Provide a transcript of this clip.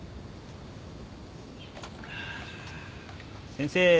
先生